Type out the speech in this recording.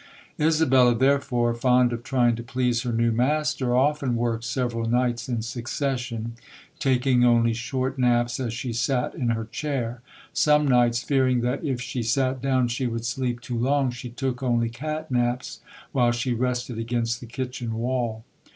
Isabella, therefore, fond of trying to please her 210 ] UNSUNG HEROES new master, often worked several nights in suc cession, taking only short naps as she sat in her chair. Some nights, fearing that if she sat down she would sleep too long, she took only cat naps while she rested against the kitchen wall.